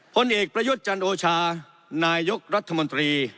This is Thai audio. ผลเอกประยุทธ์จันโอชานายกรัฐมนตรี